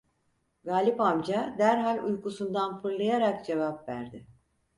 Galip amca derhal uykusundan fırlayarak cevap verdi: